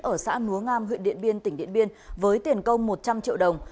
ở xã núa ngam huyện điện biên tỉnh điện biên với tiền công một trăm linh triệu đồng